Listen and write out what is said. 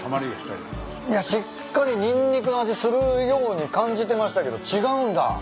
いやしっかりニンニクの味するように感じてましたけど違うんだ。